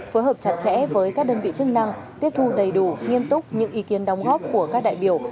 phối hợp chặt chẽ với các đơn vị chức năng tiếp thu đầy đủ nghiêm túc những ý kiến đóng góp của các đại biểu